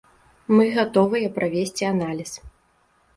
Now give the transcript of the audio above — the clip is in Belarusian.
Мы гатовыя правесці аналіз.